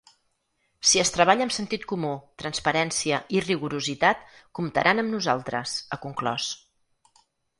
Si es treballa amb sentit comú, transparència i rigorositat “comptaran amb nosaltres”, ha conclòs.